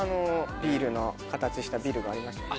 ビールの形したビルがありましたよね。